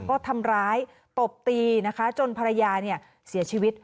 ก็ทำร้ายตบตีนะคะจนภรรยาเนี่ยเสียชีวิต